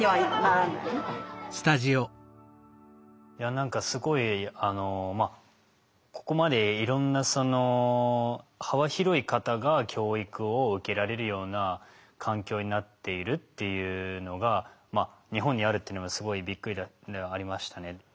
何かすごいここまでいろんなその幅広い方が教育を受けられるような環境になっているっていうのが日本にあるというのがすごいびっくりではありましたね。